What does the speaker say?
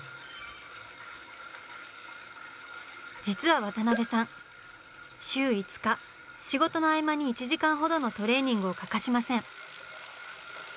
実は渡辺さん週５日仕事の合間に１時間ほどのトレーニングを欠かしません。